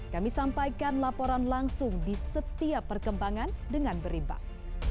kami sampaikan laporan langsung di setiap perkembangan dengan berimbang